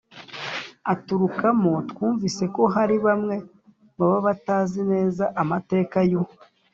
aturukamo. twumvise ko hari bamwe baba batazi neza amateka y'u